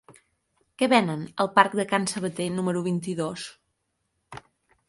Què venen al parc de Can Sabater número vint-i-dos?